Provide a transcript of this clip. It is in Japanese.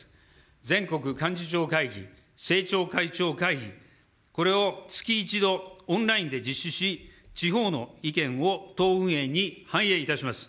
全国幹事長会議、政調会長会議、これを月１度、オンラインで実施し、地方の意見を党運営に反映いたします。